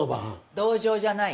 同情じゃない。